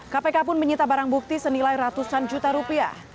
kpk pun menyita barang bukti senilai ratusan juta rupiah